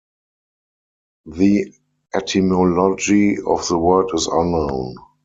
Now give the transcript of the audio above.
The etymology of the word is unknown.